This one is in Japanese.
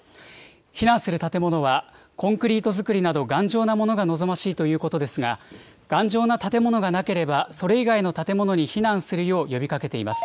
避難する建物は、コンクリート造りなど、頑丈なものが望ましいということですが、頑丈な建物がなければ、それ以外の建物に避難するよう、呼びかけています。